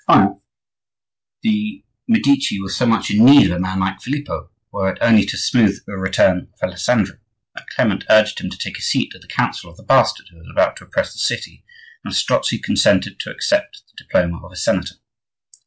In the hour of triumph the Medici were so much in need of a man like Filippo—were it only to smooth the return of Alessandro—that Clement urged him to take a seat at the Council of the bastard who was about to oppress the city; and Strozzi consented to accept the diploma of a senator.